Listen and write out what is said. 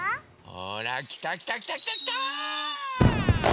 ほらきたきたきたきたきた！